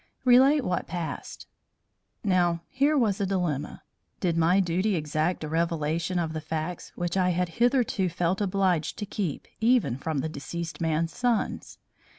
"Relate what passed." Now here was a dilemma. Did my duty exact a revelation of the facts which I had hitherto felt obliged to keep even from the deceased man's sons?